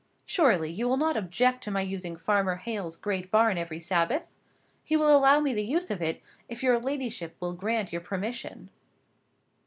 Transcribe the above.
Surely, you will not object to my using Farmer Hale's great barn every Sabbath? He will allow me the use of it, if your ladyship will grant your permission."